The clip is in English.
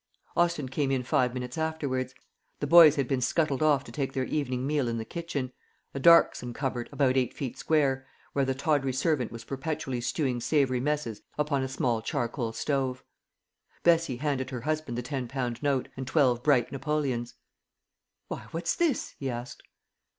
Austin came in five minutes afterwards. The boys had been scuttled off to take their evening meal in the kitchen a darksome cupboard about eight feet square where the tawdry servant was perpetually stewing savoury messes upon a small charcoal stove. Bessie handed her husband the ten pound note, and twelve bright napoleons. "Why, what's this?" he asked.